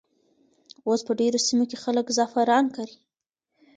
اوس په ډېرو سیمو کې خلک زعفران کري.